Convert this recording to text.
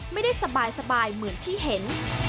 ไม่ได้สบายเหมือนที่เห็น